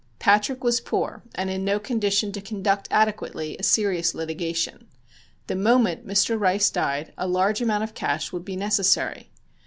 Patrick was poor and in no condition to conduct adequately a serious litigation. The moment Mr. Rice died a large amount of cash would be necessary.